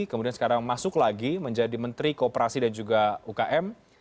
kemudian sekarang masuk lagi menjadi menteri kooperasi dan juga ukm